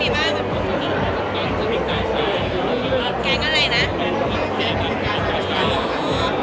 ไม่ใช่ทั้งสามหรอก